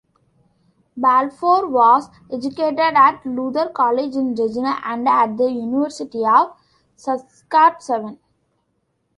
Balfour was educated at Luther College in Regina and at the University of Saskatchewan.